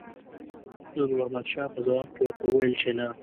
نور محمد شاه په ځواب کې ورته وویل چې نه.